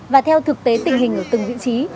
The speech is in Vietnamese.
và theo thực tế tình hình ở từng vị trí